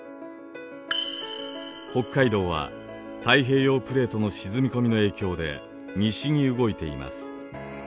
北海道は太平洋プレートの沈み込みの影響で西に動いています。